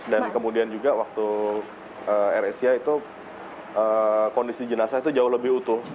dan kemudian juga waktu air airesia itu kondisi jenazah itu jauh lebih utuh